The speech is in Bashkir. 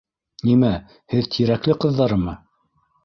Нимә, һеҙ Тирәкле ҡыҙҙарымы?